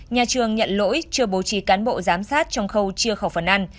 nhà trường nhận lỗi chưa bố trí cán bộ giám sát trong khâu chia khẩu phần ăn